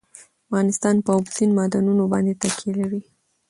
افغانستان په اوبزین معدنونه باندې تکیه لري.